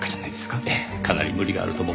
ええかなり無理があると僕も思います。